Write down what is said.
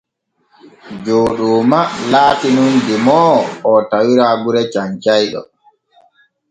Jooɗooma laati nun demoowo oo tawira gure Cancayɗo.